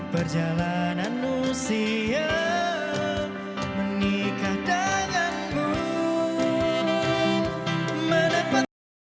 bertatakan kesetiaan cinta